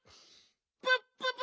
プッププ！